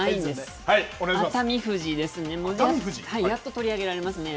熱海富士ですねやっと取り上げられます。